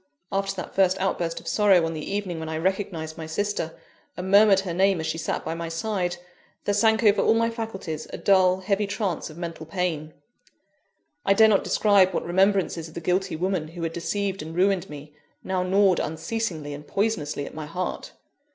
After that first outburst of sorrow on the evening when I recognised my sister, and murmured her name as she sat by my side, there sank over all my faculties a dull, heavy trance of mental pain. I dare not describe what remembrances of the guilty woman who had deceived and ruined me, now gnawed unceasingly and poisonously at my heart.